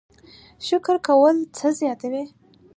شکر کول څه زیاتوي؟